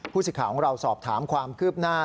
สิทธิ์ของเราสอบถามความคืบหน้า